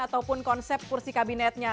ataupun konsep kursi kabinetnya